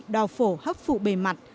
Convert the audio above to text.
đào phổ hấp phụ bề mặt